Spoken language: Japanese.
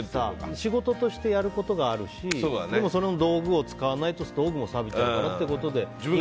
仕事としてやることがあるし道具も使わないと道具もさびちゃうってことで。